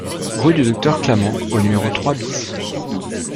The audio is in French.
Rue du Docteur Clament au numéro trois BIS